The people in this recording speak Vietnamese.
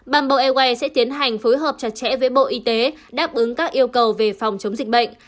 bamboo airways sẽ tiến hành phối hợp chặt chẽ với bộ y tế đáp ứng các yêu cầu về phòng chống dịch bệnh